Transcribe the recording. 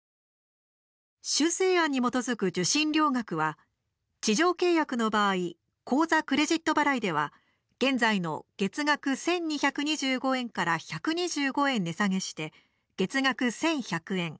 修正案に基づく受信料額は地上契約の場合口座、クレジット払いでは現在の月額１２２５円から１２５円値下げして月額１１００円。